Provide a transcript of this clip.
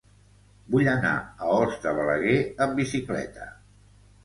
Vull anar a Os de Balaguer amb bicicleta.